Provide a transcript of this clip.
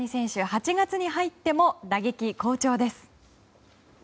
８月に入っても打撃好調です。